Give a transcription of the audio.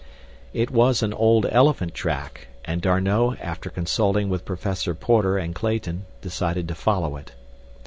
It was an old elephant track, and D'Arnot after consulting with Professor Porter and Clayton decided to follow it.